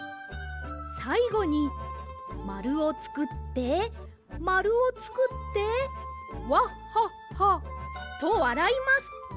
さいごにまるをつくってまるをつくってわっはっはとわらいます。